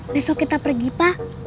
besok kita pergi pak